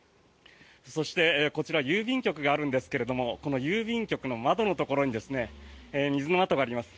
そして、こちら郵便局があるんですがこの郵便局の窓のところに水の跡があります。